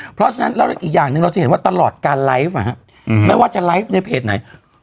เพราะฉะนั้นแล้วอีกอย่างหนึ่งเราจะเห็นว่าตลอดการไลฟ์ไม่ว่าจะไลฟ์ในเพจไหน